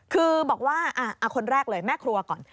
คือบอกว่าคนแรกเลยแม่ครัวก่อน